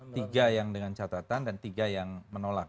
tiga yang dengan catatan dan tiga yang menolak